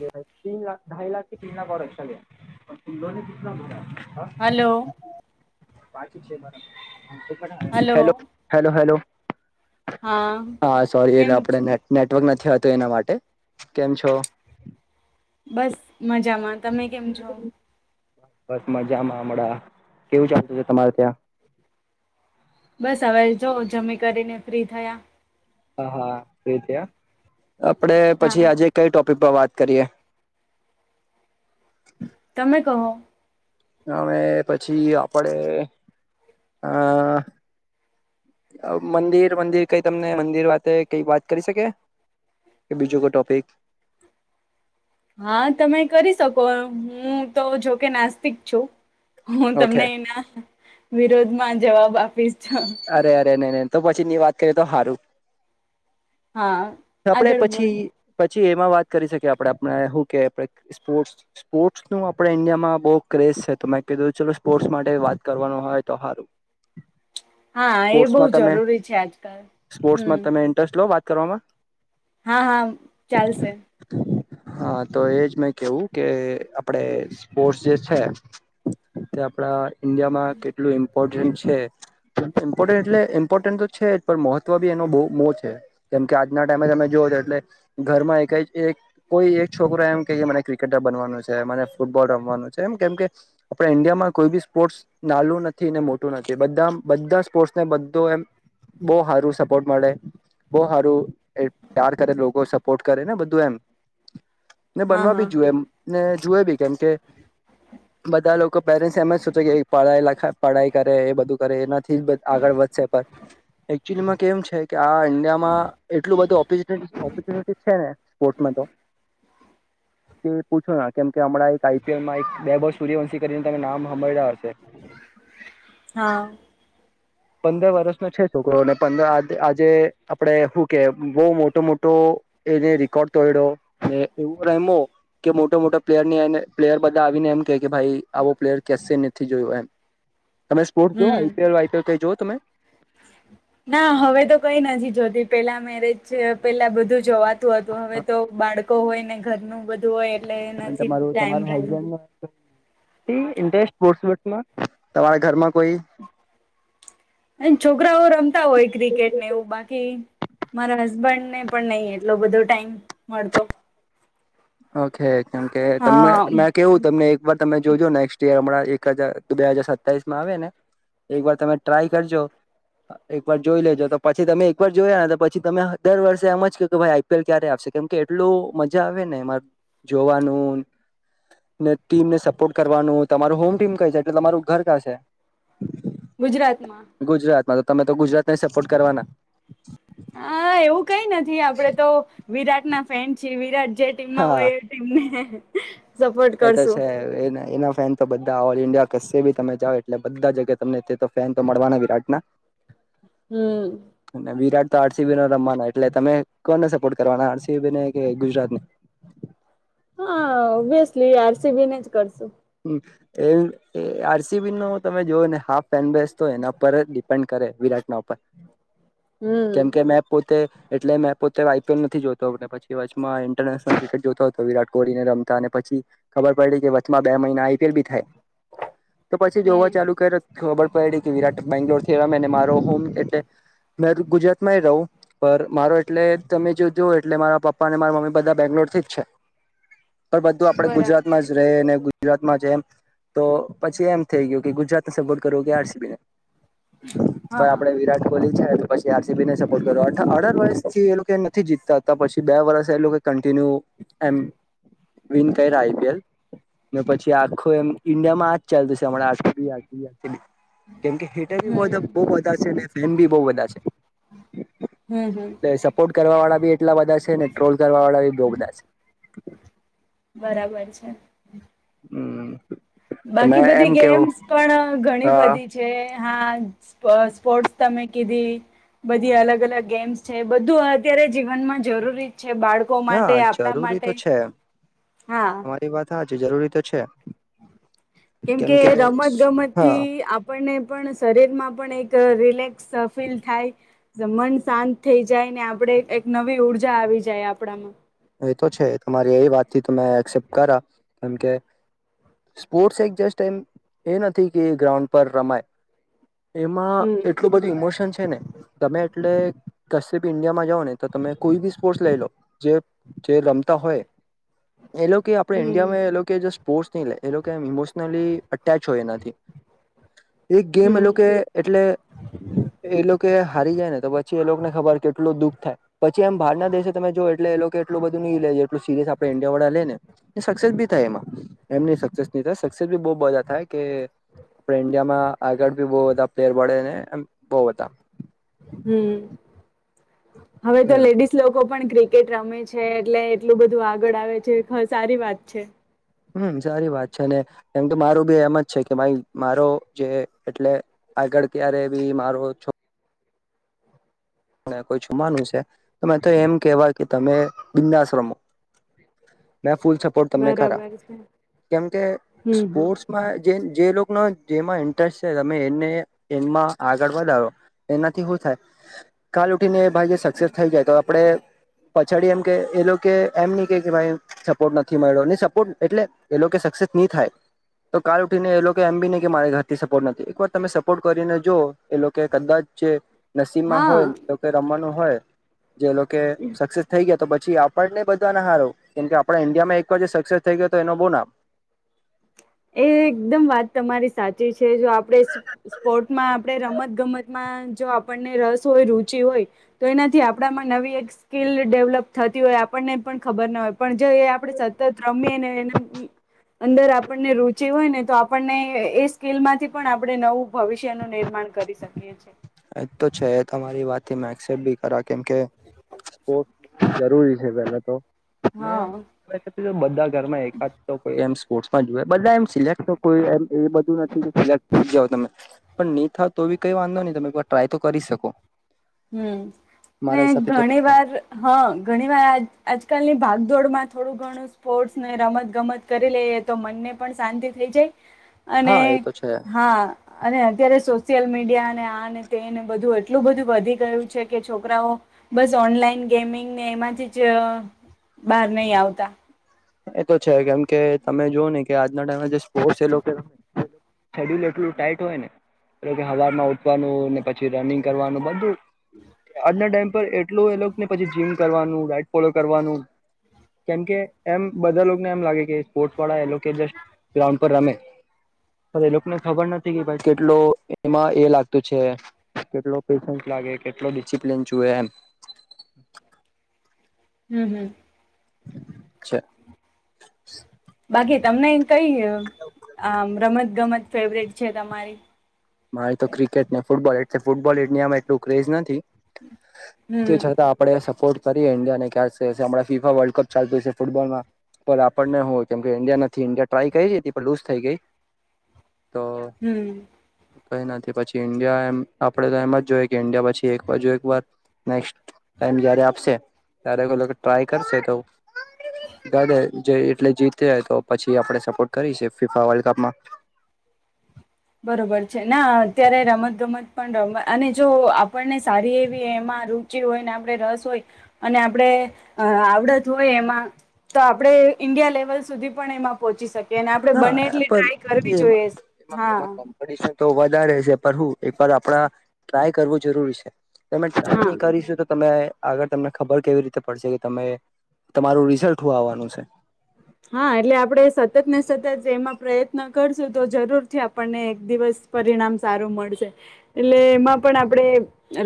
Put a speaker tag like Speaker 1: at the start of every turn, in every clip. Speaker 1: તે તિન લાખ ઢાઈ ના, [unintelligible]
Speaker 2: hello. Hello
Speaker 1: hello, hello hello. હા, સોરી એ
Speaker 2: કેમ
Speaker 1: આપડ
Speaker 2: છો
Speaker 1: નેટવર્ક નથીતું, એના માટે કેમ છો.
Speaker 2: બસ મજામાં, તમે કેમ છો?
Speaker 1: બસમા જમાડા કેવું ચાલતું છે, તમારે ત્યાં.
Speaker 2: સવારે જો જમી કરીને ફ્રી થયા.
Speaker 1: હા, હા એ આપડે
Speaker 2: હા
Speaker 1: પછી આજે, કઈ ટોપ. પીપા વાત કરીએ.
Speaker 2: તમે કહો.
Speaker 1: અને પછી, આપડે આ. મંદિર, મંદિર કઈ તમને મંદિર વાતે કઈ, વાત કરી શકે. એ બીજકો ટોપિક.
Speaker 2: હા, તમે કરી શકો હું, તો જોકે નાસ્તિક છું. હું,
Speaker 1: ઓકે
Speaker 2: તમને એના વિરોધમાં, જવાબ આપીશ. હા
Speaker 1: અરે અરે નહીં, નહીં તો પછી ની વાત કરીએ તો હારું. આપડે
Speaker 2: આગળ
Speaker 1: પછી,
Speaker 2: બોલો
Speaker 1: પછી. એમાં વાત કરી શકી, આપડે આપણે શું કે સ્પોર્ટ્ સ્પોર્ટ્સનુ આપણે ઇન્ડિયામાં બહુ ક્રેઝ સે, તો મેં કીધું ચલો સ્પોર્ટ્સ માટે વાત કરવાનું હોય, તો હારું.
Speaker 2: હા એ બહુ
Speaker 1: સ્પોર્ટ્સમાં, તમે
Speaker 2: જરૂરી છે આજકાલ હમ
Speaker 1: સ્પોર્ટ્સમાં તમે ઇન્ટરેસ્ટ લો વાત કરવામાં?
Speaker 2: હા, હા ચાલશે.
Speaker 1: હા, તો એજ મેં કેવું કે આપડે સ્પોર્ટસ જે છે. તે આપડા ઈન્ડિયામાં કેટલું, ઇમ્પોર્ટન્ટ છે. ઇમ્પોર્ એટલે ઇમ્પોર્ટન્ટ તો છેજ, પણ મહત્વ બી એનો બહુ મો છે, જેમ કે આજના ટાઈમે તમે જો. એટલે ઘરમાં, એક કોઈ એક છોકરો એમ કે મને ક્રિકેટર બનવાનું છે, મને ફૂટબોલ. રામવા નુ છે, કેમ કે આપ ઈન્ડિયામાં કોઈ બી સ્પોર્ટ નાલું નથી, ને મોટું નથી બધા. બધા સ્પોર્ટસ ને બધું એમ બહું સારું સપોર્ટ મળે. બહુ સારું એ પ્યાર કરે લોકો સપોર્ટ કરેને બધું એમ. ને
Speaker 2: હા
Speaker 1: બનવા બી
Speaker 2: હા
Speaker 1: જોવેએ એ ને જુવે બી કેમ કે. બધા લોકો પેરેન્ટ્સ એમ જ સૂચે કે પડાઈ લખાય પઢાઈ કરે એ બધું કરે. થી આગળ વધશે પણ. એકચુલીમાં કેમ છે કે આ ઇન્ડિયામાં એટલું બધું ઓપોર્ચ્યુનિટી છે ને સ્પોર્ટ્સમાં તો. [inaudible] કે પૂછો કેમ કે હમણાં એક આઈપીએલમાં વેબવ સૂર્યવંશી કરીને તમે નામ સાભડા હતા.
Speaker 2: હા.
Speaker 1: પંદર વર્ષનો છે છોકરોને પર આજે આપડે શું કે બહું મોટો મોટો. એને રેકોર્ડ તોડ્યોને એવું રમો કે મોટા મોટા પ્લેયર ને પ્લેયર બધા આવીને એમ. કે ભાઈ આવો પ્લેયર કસે નથી જોયયો એમ. તમે સ્પોર્ટ્સ જોઓ
Speaker 2: હમ
Speaker 1: આઈપીએલ વાઈપીએલ કઈ જોઓ તમે.
Speaker 2: ના હવે તો કઈ નથી જોતી પેલા મેરેજ પેલા બધું જોવા. હતું હવે તો બાળકો હોય ને ઘરનું બધું હોય. એટલે નથી
Speaker 1: તમારું
Speaker 2: ટાઈમ
Speaker 1: તમારું
Speaker 2: રહેતો
Speaker 1: હસબન્ડ. ઇન્ટરેસ્ટમાં તમારા ઘરમાં. કોઈ.
Speaker 2: અને રમતા હોય ક્રિકેટનેું બાકી મારા હસબન્ડ. ને પણ નહી એટલો બધો ટાઈમ મળતો.
Speaker 1: ઓકે કેમ કે તમને
Speaker 2: હા
Speaker 1: મે કેવું તમને એક વાર તમે જોજો નેક્સ્ટ ઈયર હણાં. એક હજાર બે હાજાર સતાવીસ માં આવે ને એક વાર તમે ટ્રાય કરજો. એક વાર જોઈ લેજો તો પછી તમે એક વાર જોયાને પછી તમે દર વર્ષે એમજ કે કે ભાઈ આઈપીએલ ક્યારે આપશે. કેમકે એટલું મજા આવે મારે જોવાનું. ને ટીમને સપોર્ટ કરવાનું તમારું હોમ ટીમ કઈ છે એટલે તમારું ઘર કાં છે
Speaker 2: ગુજરાતમાં
Speaker 1: ગુજરાતમાં તો તમે તો ગુજરાતને સપોર્ટ કરવાના
Speaker 2: હા એવું કઈ નથી આપડે તો વિરાટ ના ફેન છીએ વિરાટ જે ટીમમાં
Speaker 1: હા
Speaker 2: હોય એ ટીમને સપોર્ટ
Speaker 1: એ તો
Speaker 2: કરશું
Speaker 1: છે એ એના ફેન તો બધા ઓલ ઇન્ડિયા કશે બી તમે જાઓ એટલે બધા જગ્યા તમને તે તો ફેન તો મળવાના વિરાટના
Speaker 2: હમ
Speaker 1: વિરાટ તો આરસીબી ન રમવાના એટલે તમે કોને કરવા આરસીબી કે ગુજરાતને
Speaker 2: હા ઓબ્વિયસલી આરસીબી ને જ કરશું
Speaker 1: ને એ આરસીબી નો તમે જો ને હાફ ફેન બેસ્ટ તો એના પર ડિપેન્ડ કરે વિરાટના ઉપર કેમ કે
Speaker 2: હમ
Speaker 1: મેં પોતે એટલે મેં પોતે આઈપીએલ નથી જોતો પછી વચમાં ઇન્ટરનેશલ ક્રિકેટ જોતો હતો વિરાટ કોહલીને રમતા અને પછી ખબર પડી કે વચમાં બે મહિના આઈપીએલ બી થાય તો પછી જોવા
Speaker 2: હમ
Speaker 1: ચાલુ કરયું ખબર પડી કે વિરાટ બેંગ્લોર મારો હોમ એટલે મેં ગુજરાત માં રહું પણ મારો એટલે તમે જો જો એટલે મારા પપ્પા અને મારા મમ્મી બધા બેંગ્લોર થી છે પણ બધું આપડ
Speaker 2: બરાબર
Speaker 1: ગુજરાતમાં જ રહેં ગુજરાતમાં જ એમ તો પછી એમ થઇ ગયું કે ગુજરાતને સપોર્ટ કરવો કે આરસીબીને
Speaker 2: હા
Speaker 1: પણ
Speaker 2: હા
Speaker 1: આપડે વિરાટ કોહલી છે પછી આરસીબી ને સપોર્ટ કર્યો અઢાર વર્ષથી એ લોકો નથી જીતતા હતા પછી બે વર્ષ એ લોકો કન્ટિન્યુ એમ વિન કર આઈપીએલ પછી આખો એમ ઈન્ડિયામાં આજ ચાલતું છે કેમ કે હેટર બી
Speaker 2: હમ
Speaker 1: બહું બધા છે અને ફેન બી બહું બધા છે
Speaker 2: હમ હમ
Speaker 1: એ સપોર્ટ કરવા વાળા બી એટલા બધા છે ને ટ્રોલ કરવા વાળા બી બહું બધા છે [inaudible]
Speaker 2: બરાબર છે
Speaker 1: [inaudible]
Speaker 2: બાકી
Speaker 1: તમે
Speaker 2: બધી
Speaker 1: એમ કેવું
Speaker 2: ગેમ્સ પણ ઘણી
Speaker 1: હા
Speaker 2: બધી છે હા સ્પ સ્પોર્ટ્સ તમે કીધી બધી અલગ અલગ ગેમ્સ છે બધું અત્યારે જીવનમાં જરૂરી છે બાળકો
Speaker 1: હા
Speaker 2: માટે આપડા
Speaker 1: જરૂરી
Speaker 2: માટે
Speaker 1: તો છે
Speaker 2: હા
Speaker 1: તમારી વાત હા છે જરૂરી તો છે
Speaker 2: કેમ કે રમત ગમત
Speaker 1: હા
Speaker 2: થી આપણને પણ શરીરમાં પણ એક ચરિલેક્સ ફીલ થાય જમન શાંત થઈ જાય ને આપડે એક નવી ઉર્જા આવી જાય આપડામાં
Speaker 1: એ તો છે તમારી એ વાતથી તમે એક્સેપ્ટ કરા કેમકે સ્પોર્ટ્સ એક જસ્ટ એમ એ નથી કે ગ્રાઉન્ડ પર રમાય એમાં
Speaker 2: હમ
Speaker 1: એટલું બધું ઇમોશન છે ને ગમે એટલે કસેબી ઇન્ડિયામાં જાઓ ને તો તમે કોઈ બી સ્પોર્ટ્સ લઈ લો જે જે રમતા હોય એ લોકે આપડે
Speaker 2: હમ
Speaker 1: ઇન્ડિયામાં એ લોકે સ્પોર્ટ્સ નઈ લે એ લોકેમોસ ઇમોન પેલી અટેચ હોય એનાથી એક ગેમ એ
Speaker 2: હમ
Speaker 1: લોકે એટલે એ લોકે હારી જાય ને તો પછી એ લોકને ખબર કેટલું દુઃખ થાય પછી એમ બારના દેશ તમે જો એટલે એ લોકો એટલું બધું નહી લે સિરિય આપડ ન્ડિયા વાળા લે ને સક્સેસ બી થાય એમાં એમને ન સસેસ ન થાય તેબહુ મજા થાય કે આપણે ઇન્ડિયામાં આગળ ભી બહુ બધા પ્લેર મળેને એ બહુ બધા
Speaker 2: હમ હવે તો
Speaker 1: એમ
Speaker 2: લેડીસ લોકો પણ ક્રિકેટ રમે છે એટલે એટલું બધું આગળ આવે છે સારી વાત છે
Speaker 1: હમ સારી વાત છે ને એમ તો મારું બી એમ જ છે કે ભાઈ મારો જે એટલે આગળ ક્યારે બી મારો છો મેકોઈ જુવાનું છે તો મેં તો એમ કેવા કે તમે બિંદાશ્રમો ફૂલ સપોર્ટ તમને કરા
Speaker 2: બરાબર છે
Speaker 1: કેમ કે
Speaker 2: હમ હમ
Speaker 1: સ્પોર્ટસમાં જે જે લોકોનો જેમાં ઇન્ટરેસ્ટ છે તમે એને એમાં આગળ વધારો એનાથી હું કાલ ઉઠીને ભાઈ સક્સેસ થઈ જાય તો આપણે પછાડી એમ કે એ લોકો એમ નહી કે ભાઈ સપોર્ટ નથી મળ્યો નહી સપોર્ટ એટલે એ લોકો સત ની થાય તો કાર ઉઠીને એ લોકો એમ બી નહી કે મારા ઘરથી સપોર્ટ નથી એક વાર તમે સપોર્ટ કરીને જો એ લોકો કદાચ જે નસીબમાં
Speaker 2: હા
Speaker 1: હોય એ લોકે મવાનું હોય જે લોકો સક્સેસ થઈ ગયા તો છી આપણને બધાને હારો કેમ કે આપણા ઇન્ડિયા માં એક વાર સક્સેસ થઈ ગયો તો એનો બહુ નામ [unintelligible]
Speaker 2: એ એકદમ વાત તમારી સાચી છે જો આપણે સ્પોર્ટમાં આપણે રમત ગમતમાં હા જો આપણને રસ હોય રુચિ હોય તો એનાથી આપણામાં નવી એક સ્કીલ ડેવલપ થતી હોય આપણને પણ ખબર ના હોય પણ જો એ આપણે સતત રમીને એ અંદર આપણ ને રુચિ હોય ને તો આપણને એ સ્કીલ માંથી પણ આપણે નવું ભવિષ્યનું નિર્માણ કરી શકીએ છી
Speaker 1: એજ તો છે તમારી વાતથી મે એક્સેપ્ટ ભી કરા કેમ કે જરૂરી છે પેલા તો
Speaker 2: હા
Speaker 1: બધા ઘરમાં એકાદ તો કોઈ એમ સ્પોટ મા જુવે બધા એમ સિલેક્ટ કોઈ એમ એ બધું નથી કે સિલેક્ટ થઈ જઓ તમે પણ નહી થાય તો કઈ વાંધો નહી તમે ટ્રાય તો કરી શકો
Speaker 2: હમ ને
Speaker 1: મારા હિસાબથી તો
Speaker 2: ઘણી વાર હા ઘણી વાર આજકાલની ભાગદોડ માં થોડું ઘણું સ્પોર્ટ્સને રમત ગમત કરી લઈએ તો મનને પણ શાંતિ થઈ જાય અને
Speaker 1: હા એ તો છે
Speaker 2: હા અને અત્યારે સોશિયલ મીડિયા ને આને તેને બધું એટલું બધું વઘી તે હુ છે કે છોકરાઓ બસ ઓનલાઈન ગેમિંગને એમાંથીજ બહાર નહી આવતા
Speaker 1: એ તો છે કેમ કે તમે જોુઓ ને કે આજના ટાઈમે જે સ્પોર્ટ એ શેડ્યુલ એટલું ટાાઈટ હોય ને એ કે હવારમાં ઉઠવાનું ને પછી રનિંગ કરવાનું બધું આજના ટાઈમ પર એટલોું એલોને પછી જીમ કરવાનું રાઈટ ફોલો કરવાનું કેમકે એમ બધા લોકોને એમ લાગે કે સ્પોર્ટ્સ વાળા એ લોકો જ ગ્રાઉન્ડ પર રમે અરે એ લોકોને ખબર નથી કે ભાઈ કેટલો એમાં એ લાગતું છે. કેટલો પેશન્સ લાગે કેટલો ડિસિપ્લન જુએ એમ
Speaker 2: હમ હમ.
Speaker 1: અચ છેા [unintelligible]
Speaker 2: બાકી તમને કઈ આ રમત ગમત ફેવરેટ છે તમારી
Speaker 1: મારી તો ક્રિકેટ ને ફૂટબોલ એટ છે ફૂટબોલ એટની આમાં એટલું ક્રેઝ નથી. તે
Speaker 2: હમ
Speaker 1: છતાં આપડે ો કરીએ ઇન્ડિયા ને ફીફા વર્લ્ડ કપ ચાલતું છે ફૂટબોલમાં પણ આપણને હ કેમકે ઈન્ડિયા નથી ઇન્ડિયા ટ્રાય કરી હતી પણ લુઝ થઈ ગઈ તો
Speaker 2: [unintelligible]
Speaker 1: કઈ નથી પછી ઈન્ડિયા એમ આપડે તો એમ જ જોઈએ કે ઈન્ડિયા પછી એક એક વાર નેક્ ટાઈમ જારે આપશે ત્યારે ટ્રાય કરશે તો જે એટલે જીતે તો પછી આપડણે સપોર્ટ કરી છે ફીફા વર્લ્ડ કપમાં [inaudible]
Speaker 2: બરોબર છે ના અત્યારે રમતગમત પણ રમત અને જો આપણને સારી એવી એમાં રુચિ હોય આપણે રસ હોય અને આપણે આવડત હોય એમાં તો આપણે ઈન્ડિયા લેવલ સુધી પણ એમાં પહોંચી શકે અને આપણે બને
Speaker 1: હા
Speaker 2: એટલી ટ્રાય કરવી
Speaker 1: પણ એમાં
Speaker 2: જોઈએ. હા
Speaker 1: એમાં કોમ્પિટશન તો વધારે છે પણ હું એ આપડા ટ્રાય કરવું જરૂરી છે. તમે
Speaker 2: હા
Speaker 1: ની કરીશું તો તમે આગળ તમને ખબર કેવી રીતે પડશે કે તમે તમારું રિઝલ્ટ હુ આવવાનું છે
Speaker 2: હા એટલે આપડે સતત ને સતત એમાં પ્રયત્ન કરશું તો જરૂરથી આપણને એક દિવસ પરિણામ સારું મળશે એટલે એમાં પણ આપણેે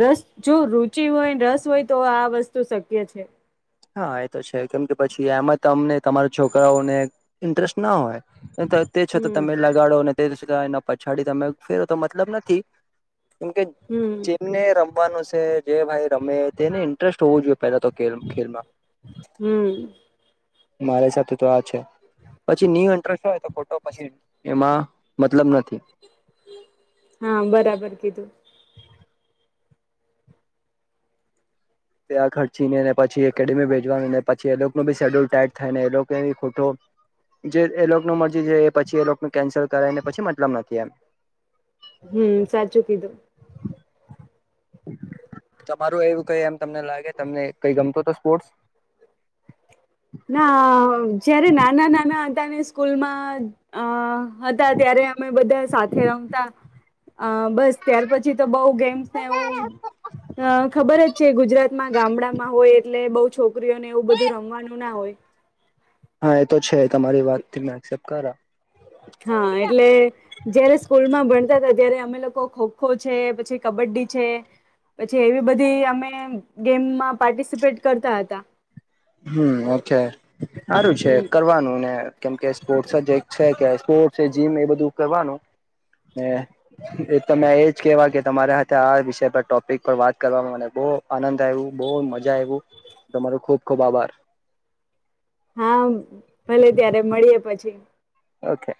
Speaker 2: રસ જો રુચિ હોય રસ હોય તો આ વસ્તુ શક્ય છે
Speaker 1: હા એ તો છે કેમ કે પછી એમાં તમને તમારા છોકરાઓને ઇન્ટરેસ્ટ ના હોય તે છ તો
Speaker 2: હમ
Speaker 1: તમે લગાડો [unintelligible] પછાડી તમે ફેરો તો મતલબ નથી કેમકે
Speaker 2: હમ
Speaker 1: જેમને રમવાનું છે જે ભાઈ રમે તેને ઇન્ટરેસ્ટ હોવું જો પેલા તો ખેલ ખેલમાં
Speaker 2: હમ.
Speaker 1: મારા હિસાબથી તો આ છે. પછી ન્યુ એન્ટરસ્ટ હોય તો ખોટો પછી એમાં મતલબ નથી
Speaker 2: હા બરાબર કીધું.
Speaker 1: ત્યાં ખર્ચીને ને પછી એકેડેમી ભેજવાનીને પછી એ લોકનુ બી શેડ્યુલ ટાઈટ થાય ને એલોકેની ખોટો જે એ લોકોનુ મરજી જે એ પછી એલોકનું કેન્સલ કરે ને પછી મતલબ નથી એમ
Speaker 2: હમ સાચું કીધું.
Speaker 1: તમારું એવું કઈ એમ તમને લાગે તમને કઈ ગમતો હતો સ્પોર્ટસ [inaudible]
Speaker 2: જય્યારે નાના નાના હતા ને સ્કૂલમાં અ હતા ત્યારે અમે બધા સાથે રમતા અ બસ ત્યાર પછી તો બોવ ગેમ્સ ને એવું અ ખબર જ છે ગુજરાતમાં ગામડામાં હોય એટલે બોવ છોકરીઓને એવું બધું રમવાનું સુના હોય
Speaker 1: હા એ તો છે તમારી વાતથી મે એક્સેપ્ટ કરા
Speaker 2: હા એટલે જ્યારે સ્કૂલ માં ભણતા હતા ત્યારે અમે લોકો ખોખો છે પછી કબડ્ડી છે પછી એવી બધી અમે ગેમમાં પાર્ટિસિપેટ કરતા હતા
Speaker 1: હમ છે સારું છે
Speaker 2: હમ
Speaker 1: કરવાનું ને કેમકે સ્પોર્ટ જ એક કે કે સ્પોર્ટસ છે જીમ એ બધું કરવાનું એ તમે એજ કેવા કે તમારા હાથે આ વિષય પર ટોપિક પર વાત કરવામાં મને બો બો આનંદ આયવું બો મજા આયવું તમારો ખુબ ખુબ આભાર
Speaker 2: હા ભલે ત્યારે મળીએ પછી
Speaker 1: ઓકે.